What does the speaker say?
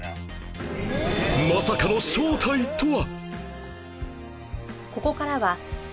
まさかの正体とは？